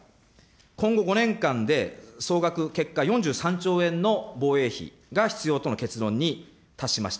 今後５年間で、総額、結果４３兆円の防衛費が必要との結論に達しました。